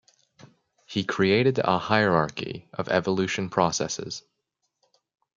He created a hierarchy of evolution processes.